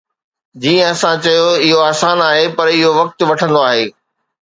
جيئن اسان چيو، اهو آسان آهي، پر اهو وقت وٺندو آهي